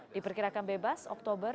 diperkirakan bebas oktober dua ribu dua puluh